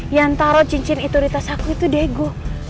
yang taro cincin itu di tas aku itu diego